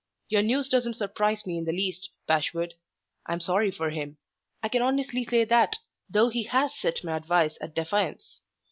Your news doesn't surprise me in the least, Bashwood. I'm sorry for him. I can honestly say that, though he has set my advice at defiance.